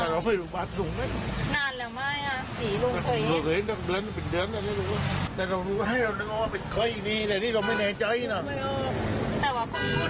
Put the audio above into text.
แต่เรารู้ให้เรานึกออกว่าเป็นเครื่องแบบนี้แต่นี่เราไม่แน่ใจนะ